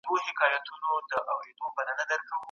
د لویې جرګي په وروستي پرېکړه لیک کي څه راغلي دي؟